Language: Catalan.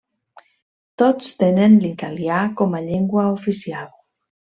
Tots tenen l'italià com a llengua oficial.